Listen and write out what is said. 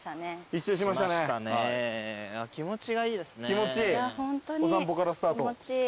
気持ちいいお散歩からスタート。